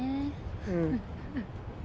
うん。